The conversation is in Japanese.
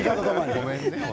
ごめんね。